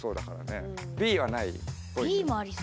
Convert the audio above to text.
Ｂもありそう。